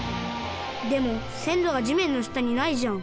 でもせんろがじめんのしたにないじゃん。